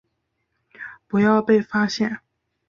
不要被发现